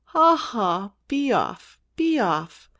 Ha, ha! Be off! Be off!"